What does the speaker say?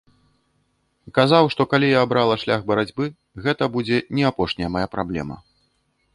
Казаў, што калі я абрала шлях барацьбы, гэта будзе не апошняя мая праблема.